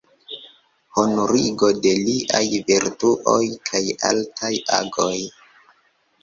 Honorigo de liaj vertuoj kaj altaj agoj.